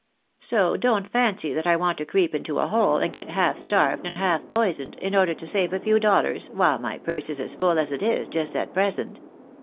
So don't fancy that I want to creep into a hole, and get half starved and half poisoned, in order to save a few dollars, while my purse is as fuU as it is just at present.